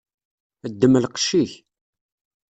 Ddem lqec-ik.